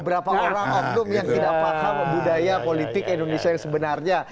berapa orang oknum yang tidak paham budaya politik indonesia yang sebenarnya